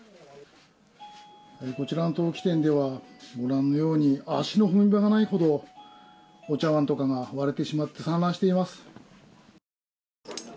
こちらの陶器店ではご覧のように足の踏み場がないほどお茶碗とかが割れてしまって散乱しています。